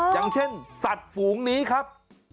อย่างเช่นสัตว์ฝูงนี้ครับ